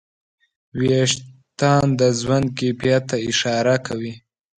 وېښتيان د ژوند کیفیت ته اشاره کوي.